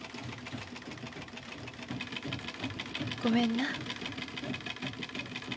ごめんな。